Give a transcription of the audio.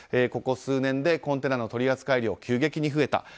ここ数年でコンテナの取扱量が急激に増えた。